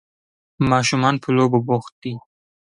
ماشومان په لوبو بوخت دي.